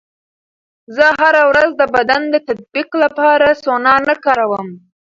زه هره ورځ د بدن د تطبیق لپاره سونا نه کاروم.